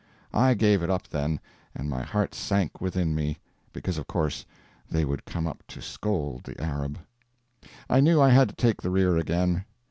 I gave it up then, and my heart sank within me, because of course they would come up to scold the Arab. I knew I had to take the rear again.